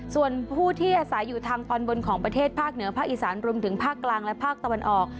ส่วนผู้ที่อาศัยอยู่ทางตอนบนของประเทศภาคเหนือภาคอีสานรวมถึงภาคกลางและภาคตะวันออก